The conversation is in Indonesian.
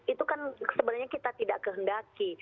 itu kan sebenarnya kita tidak kehendaki